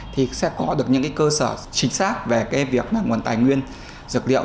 thì sẽ có được những cơ sở chính xác về việc nguồn tài nguyên dược liệu